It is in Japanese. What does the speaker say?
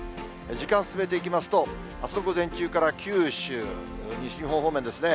時間進めていきますと、あすの午前中から、九州、西日本方面ですね。